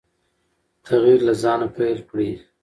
تغیر له ځانه پیل کړئ.